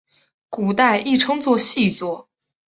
古代亦称作细作。